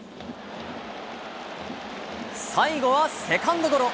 最後はセカンドゴロ。